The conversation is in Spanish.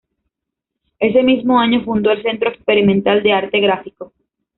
Ese mismo año fundó el Centro Experimental de Arte Gráfico.